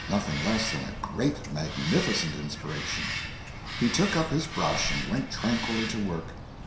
Nothing less than a great, magnificent inspiration. He took up his brush and went tranquilly to work.